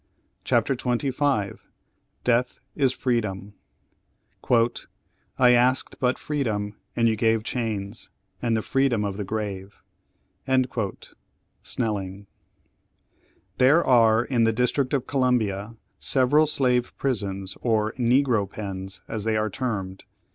CHAPTER XXV DEATH IS FREEDOM "I asked but freedom, and ye gave Chains, and the freedom of the grave." Snelling. THERE are, in the district of Columbia, several slave prisons, or "Negro pens," as they are termed.